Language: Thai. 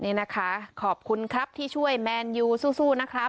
นี่นะคะขอบคุณครับที่ช่วยแมนยูสู้นะครับ